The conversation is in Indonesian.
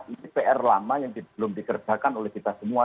ini pr lama yang belum dikerjakan oleh kita semua